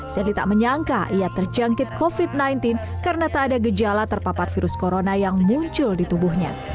selly tak menyangka ia terjangkit covid sembilan belas karena tak ada gejala terpapar virus corona yang muncul di tubuhnya